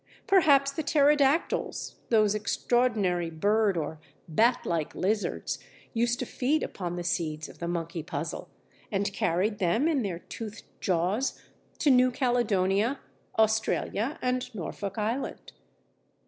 Perhaps the Pterodactyls, those extraordinary bird or bat like lizards, used to feed upon the seeds of the monkey puzzle, and carried them in their toothed jaws to New Caledonia, Australia, and Norfolk Island.